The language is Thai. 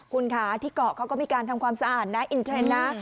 คุณค่ะที่เกาะเขาก็มีการทำความสะอาดนะอินเทรนด์นะ